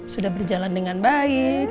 sudah berjalan dengan baik